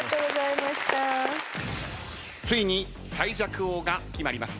ついに最弱王が決まります。